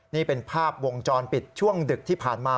นี่เป็นภาพวงจรปิดช่วงดึกที่ผ่านมา